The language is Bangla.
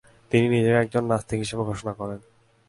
তিনি নিজেকে একজন নাস্তিক হিসাবে ঘোষণা করেন।